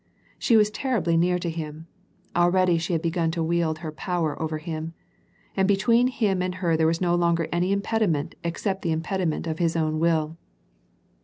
She was ter ribly near to him; already, she had begun to wield her power over him. And between him and her there was no longer any impediment except the impediment of his own will.